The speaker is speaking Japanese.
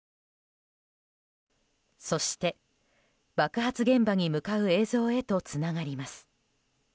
そして爆発現場に向かう映像へとつながります。